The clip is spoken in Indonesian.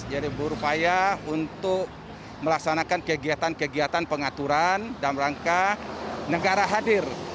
jadi berupaya untuk melaksanakan kegiatan kegiatan pengaturan dan rangka negara hadir